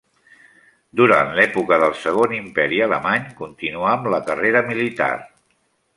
Durant l'època del segon imperi alemany continuà amb la carrera militar.